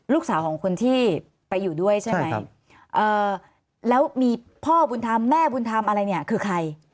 ลูกสาวของคนที่ไปอยู่ด้วยใช่ไหมแล้วมีพ่อบุญธรรมแม่บุญธรรมอะไรเนี่ยคือใคร